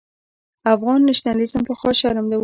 افغان نېشنلېزم پخوا شرم و.